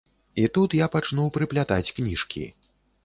І тут я пачну прыплятаць кніжкі.